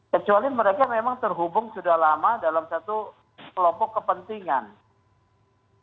kecuali mereka memang terhubung sudah lama dalam satu kelompok kepentingan